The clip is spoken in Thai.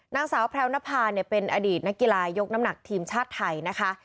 นางสาวแพรวนภาเป็นอดีตนักกีฬายกน้ำหนักทีมชาติไทยนะคะ